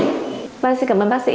vâng xin cảm ơn bác sĩ